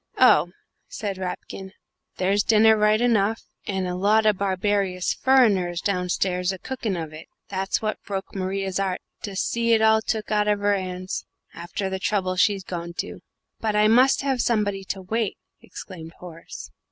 "Oh," said Rapkin, "there's dinner right enough, and a lot o' barbarious furriners downstairs a cookin' of it that's what broke Maria's 'art to see it all took out of her 'ands, after the trouble she'd gone to." "But I must have somebody to wait," exclaimed Horace.